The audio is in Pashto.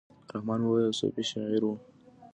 رحمان بابا یو صوفي شاعر ؤ